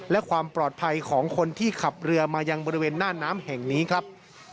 และความปลอดภัยของคนที่ขับเรือมายังบริเวณหน้าน้ำแห่งนี้ครับ